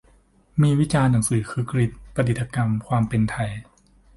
มีวิจารณ์หนังสือ "คึกฤทธิ์กับประดิษฐกรรม 'ความเป็นไทย'"